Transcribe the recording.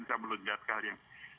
saya belum lihat hal yang